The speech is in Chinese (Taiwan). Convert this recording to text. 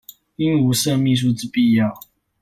應無設秘書之必要